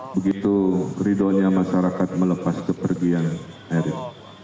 begitu ridhonya masyarakat melepas kepergian eril